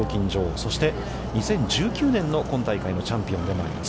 そして、２０１９年の今大会のチャンピオンでもあります。